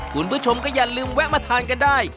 คุณผู้ชมก็อย่าลืมแวะมาทานกันได้